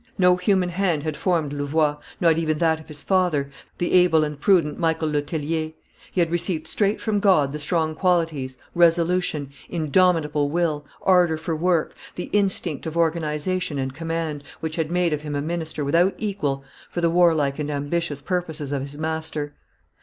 No human hand had formed Louvois, not even that of his father, the able and prudent Michael le Tellier; he had received straight from God the strong qualities, resolution, indomitable will, ardor for work, the instinct of organization and command, which had made of him a minister without equal for the warlike and ambitious purposes of his master.